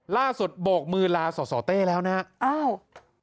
ล่าสุดโบกมือลาส่อสอเต้แล้วนะอ้าว